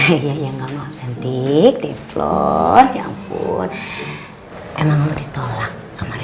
emang ditolak sama rendy